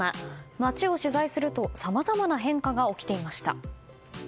街を取材するとさまざまな変化が起きていました。